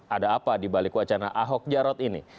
ada apa dibalik wacana ahok jarot ini